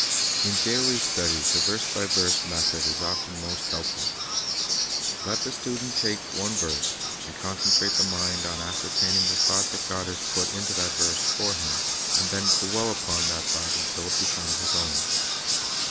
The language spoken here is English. In daily study the verse by verse method is often most helpful. Let the student take one verse, and con centrate the mind on ascertaining the thought that God Thoroughness has put into that verse for him, and then dwell upon concentration the thought until it becomes his own.